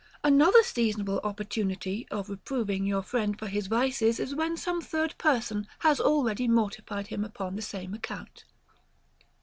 31. Another seasonable opportunity of reproving your friend for his vices is when some third person has already mortified him upon the same account.